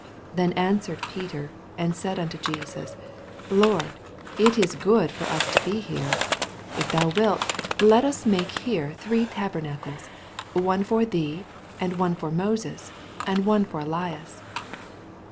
4 Then answered Peter, and stud xmto Jesus, Lord, it is good for us to be here: if thou wilt, let ns make here three tabernacles ; one for thee, and one for Moses, and one for Elias.